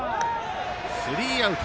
スリーアウト。